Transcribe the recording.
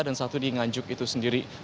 satu di nganjuk itu sendiri